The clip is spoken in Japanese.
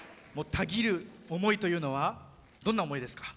たぎる思いというのはどんな思いですか？